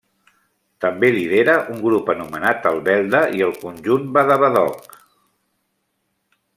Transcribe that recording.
També lidera un grup anomenat El Belda i el Conjunt Badabadoc.